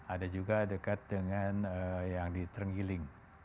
ada juga dekat dengan yang di terenggiling